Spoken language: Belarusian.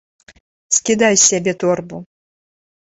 Скідай з сябе торбу!